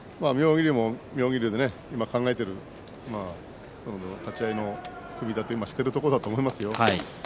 妙義龍も今考えて立ち合いの組み立てをしているところだと思いますよ。